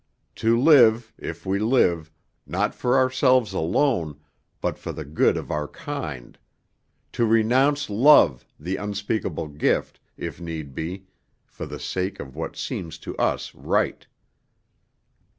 To live, if we live, not for ourselves alone, but for the good of our kind; to renounce love, the unspeakable gift, if need be, for the sake of what seems to us right."